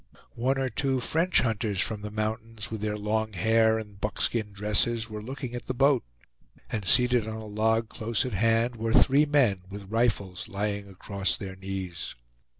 One or two French hunters from the mountains with their long hair and buckskin dresses, were looking at the boat; and seated on a log close at hand were three men, with rifles lying across their knees.